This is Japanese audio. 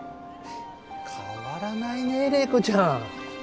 変わらないね麗子ちゃん。